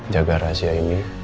jaga rahasia ini